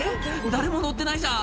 誰も乗ってないじゃん！」